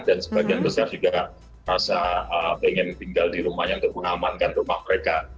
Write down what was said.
dan sebagian besar juga rasa ingin tinggal di rumahnya untuk mengamankan rumah mereka